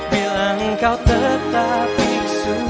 bila engkau tetap isu